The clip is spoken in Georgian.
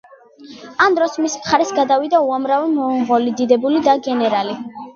ამ დროს მის მხარეს გადავიდა უამრავი მონღოლი დიდებული და გენერალი.